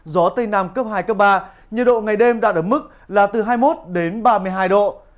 gió tây nam cấp hai cấp ba nhiệt độ ngày đêm đạt ở mức là từ hai mươi một đến ba mươi hai độ